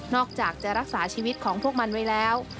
อกจากจะรักษาชีวิตของพวกมันไว้แล้ว